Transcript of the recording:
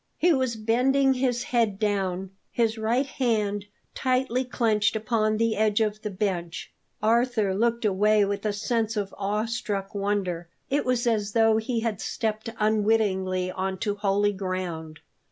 He was bending his head down, his right hand tightly clenched upon the edge of the bench. Arthur looked away with a sense of awe struck wonder. It was as though he had stepped unwittingly on to holy ground.